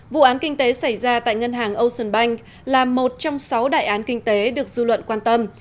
vụ án kinh tế xảy ra tại ngân hàng ocean bank là một trong sáu đại án kinh tế được dư luận quan tâm